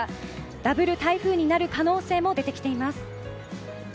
ダブル台風になる可能性も出てきています。